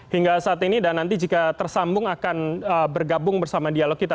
hingga saat ini dan nanti jika tersambung akan bergabung bersama dialog kita